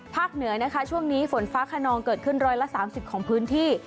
เหนือนะคะช่วงนี้ฝนฟ้าขนองเกิดขึ้น๑๓๐ของพื้นที่